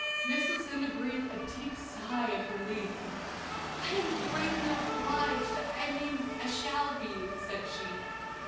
Miss Lucinda breathed a deep sigh of relief. "I am greatly obliged I mean, I shall be," said she.